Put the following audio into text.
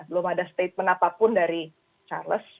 belum ada statement apapun dari charles